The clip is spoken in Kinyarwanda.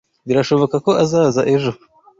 Birashoboka ko azaza ejo.